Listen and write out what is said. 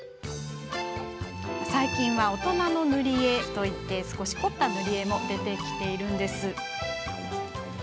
最近は、大人の塗り絵といって少し凝った塗り絵も出てきているんです。